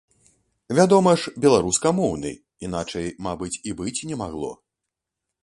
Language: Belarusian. Вядома ж, беларускамоўны, іначай, мабыць, і быць не магло.